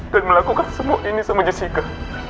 dan melakukan semua ini sama jessica